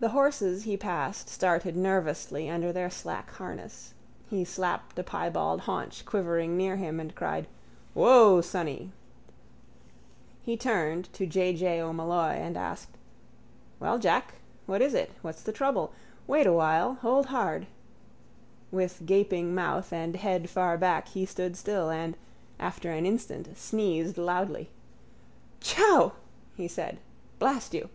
The horses he passed started nervously under their slack harness. He slapped a piebald haunch quivering near him and cried: —Woa, sonny! He turned to J. J. O'Molloy and asked: —Well, Jack. What is it? What's the trouble? Wait awhile. Hold hard. With gaping mouth and head far back he stood still and, after an instant, sneezed loudly. —Chow! he said. Blast you!